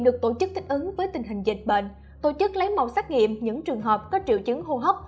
được tổ chức thích ứng với tình hình dịch bệnh tổ chức lấy mẫu xét nghiệm những trường hợp có triệu chứng hô hấp